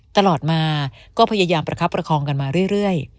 ตลอดมาก็พยายามประคับประคองกันมาเรื่อย